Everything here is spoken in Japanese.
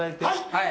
はい。